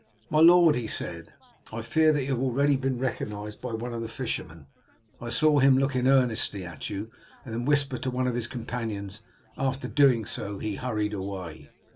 "My lord," he said, "I fear that you have already been recognized by one of the fishermen. I saw him looking earnestly at you, and then whisper to one of his companions. After doing so he hurried away."